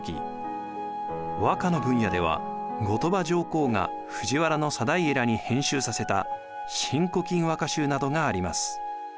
和歌の分野では後鳥羽上皇が藤原定家らに編集させた「新古今和歌集」などがあります。